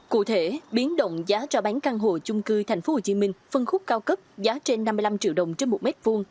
cụ thể biến động giá cho bán căn hộ chung cư tp hcm phân khúc cao cấp giá trên năm mươi năm triệu đồng trên một mét vuông